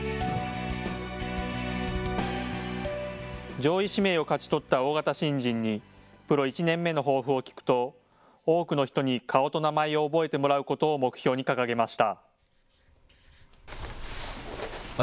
上位指名を勝ち取った大型新人にプロ１年目の抱負を聞くと多くの人に顔と名前を覚えてもらうことを目標に掲げました。